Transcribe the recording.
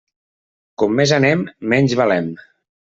Com més anem, menys valem.